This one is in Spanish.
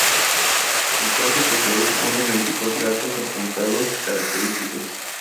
El puente posee unos veinticuatro arcos apuntados característicos.